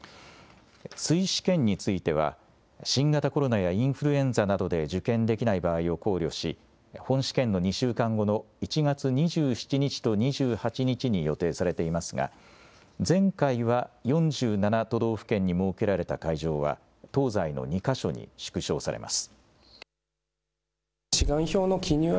追試験については、新型コロナやインフルエンザなどで受験できない場合を考慮し、本試験の２週間後の１月２７日と２８日に予定されていますが、前回は、４７都道府県に設けられた会場は、東西の２か所に縮小されます。